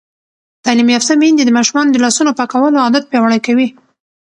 تعلیم یافته میندې د ماشومانو د لاسونو پاکولو عادت پیاوړی کوي.